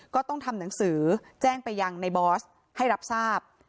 ก็ต้องทำหนังสือแจ้งไปยังในบอสให้รับทราบ